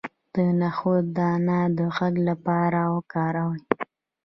د نخود دانه د غږ لپاره وکاروئ